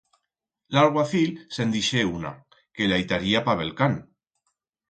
L'alguacil se'n dixé una, que la itaría pa bel can.